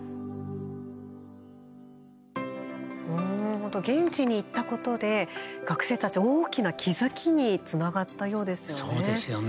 本当、現地に行ったことで学生たち、大きな気付きにつながったようですよね。